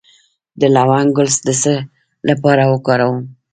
د لونګ ګل د څه لپاره وکاروم؟